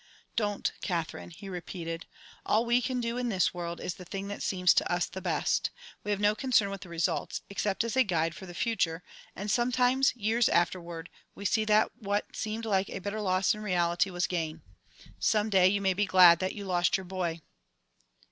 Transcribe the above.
"Don't, Katherine," he repeated. "All we can do in this world is the thing that seems to us the best. We have no concern with the results, except as a guide for the future, and sometimes, years afterward, we see that what seemed like a bitter loss in reality was gain. Some day you may be glad that you lost your boy."